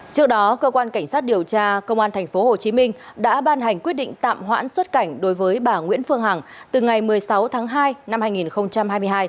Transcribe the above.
trước đó cơ quan cảnh sát điều tra công an tp hcm đã ban hành quyết định tạm hoãn xuất cảnh đối với bà nguyễn phương hằng từ ngày một mươi sáu tháng hai năm hai nghìn hai mươi hai